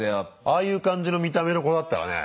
ああいう感じの見た目の子だったらね